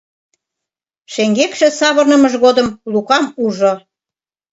Шеҥгекше савырнымыж годым Лукам ужо.